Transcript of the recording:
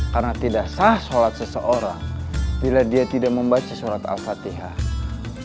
karena tidak sah sholat seseorang bila dia tidak membaca sholat al fatihah